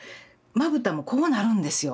まぶたもこうなるんですよ。